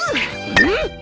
うん。